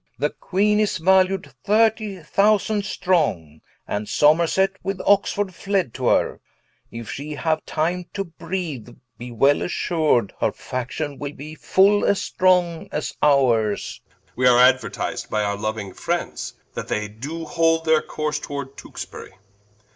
The Queene is valued thirtie thousand strong, And Somerset, with Oxford, fled to her: If she haue time to breathe, be well assur'd Her faction will be full as strong as ours King. We are aduertis'd by our louing friends, That they doe hold their course toward Tewksbury.